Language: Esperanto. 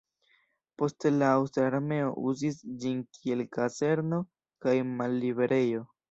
Poste la aŭstra armeo uzis ĝin kiel kazerno kaj malliberejo.